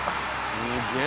すげえ！